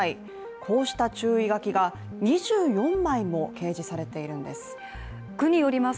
こうした注意書きが２４枚も掲示されているんです。